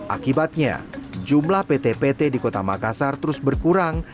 akibatnya jumlah pt pt di kota makassar terus berkurang